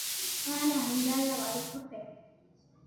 اينو ھمجايا وارو کپي